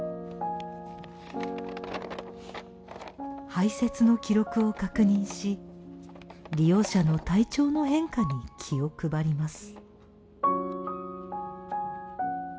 排せつの記録を確認し利用者の体調の変化に気を配ります。